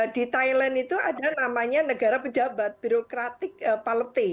di thailand itu ada namanya negara pejabat birokratik palete